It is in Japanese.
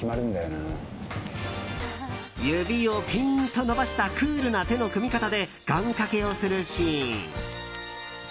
指をピンと伸ばしたクールな手の組み方で願掛けをするシーン。